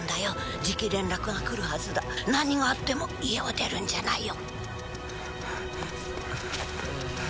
じき連絡が来るはずだ何があっても家を出るんじゃないよ